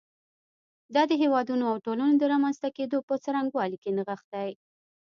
دا د هېوادونو او ټولنو د رامنځته کېدو په څرنګوالي کې نغښتی.